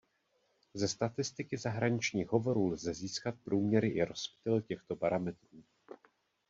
Ze statistiky zahraničních hovorů lze získat průměry i rozptyl těchto parametrů.